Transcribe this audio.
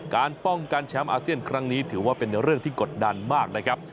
การป้องกันแชมป์อาเซียนครั้งนี้ถือว่าเป็นเรื่องที่กดดันมากนะครับ